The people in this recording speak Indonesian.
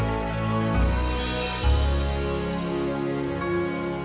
ibu nara subanglarang